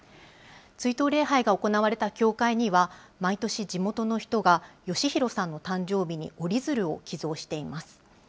追悼礼拝が行われた教会には、毎年、地元の人が剛丈さんの誕生日に折り鶴を寄贈しています。